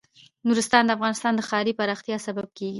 نورستان د افغانستان د ښاري پراختیا سبب کېږي.